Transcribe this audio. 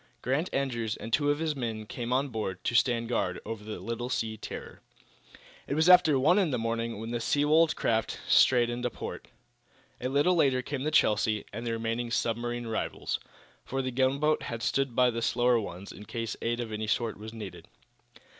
Grant Andrews and two of his men came on board, to stand guard over the little sea terror. It was after one in the morning when the Seawold craft strayed into port. A little later came the "Chelsea" and the remaining submarine rivals, for the gunboat had stood by the slower ones in case aid of any sort was needed.